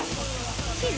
チーズ